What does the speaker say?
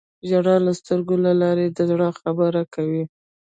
• ژړا د سترګو له لارې د زړه خبرې کوي.